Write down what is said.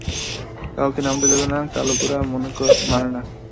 কাউকে নামতে দেবে না, কালা-গোরা মানে না।